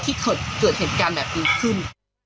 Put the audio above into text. ที่เกิดเหตุการณ์แบบนี้ขึ้น